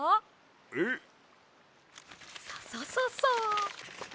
えっ？ササササッ。